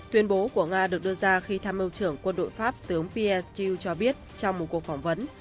tuyên bố của nga được đưa ra khi tham mưu trưởng quân đội pháp tướng pier stu cho biết trong một cuộc phỏng vấn